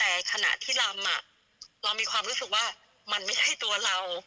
แต่ขณะที่ลำเรามีความรู้สึกว่ามันไม่ใช่ตัวเรา